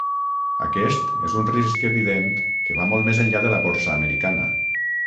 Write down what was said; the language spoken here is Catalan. Aquest és un risc evident que va molt més enllà de la borsa americana.